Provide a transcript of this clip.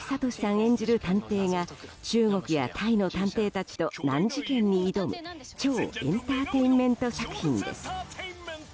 演じる探偵が中国やタイの探偵たちと難事件に挑む超エンターテインメント作品です。